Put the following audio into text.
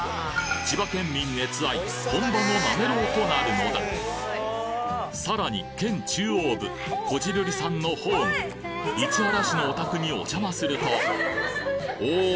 千葉県民熱愛本場のなめろうとなるのださらに県中央部こじるりさんのホーム市原市のお宅におじゃまするとおぉ！